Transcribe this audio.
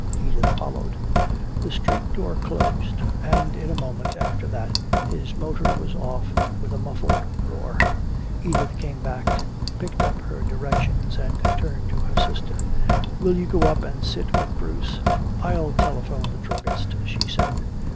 Edith followed. The street door closed, and in a moment after that his motor was off with a muffled roar. Edith came back, picked up her directions and turned to her sister: "Will you go up and sit with Bruce? I'll telephone the druggist," she said.